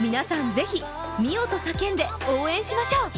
ぜひ「みお」と叫んで応援しましょう。